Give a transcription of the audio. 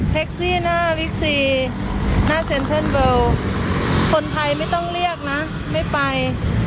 ซี่หน้าบิ๊กซีหน้าเซ็นเทิร์นเบิลคนไทยไม่ต้องเรียกนะไม่ไป